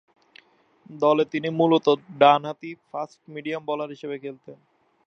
দলে তিনি মূলত ডানহাতি ফাস্ট-মিডিয়াম বোলার হিসেবে খেলতেন।